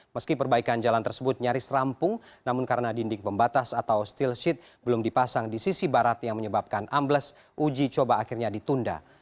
meski perbaikan jalan tersebut nyaris rampung namun karena dinding pembatas atau steel sheet belum dipasang di sisi barat yang menyebabkan ambles uji coba akhirnya ditunda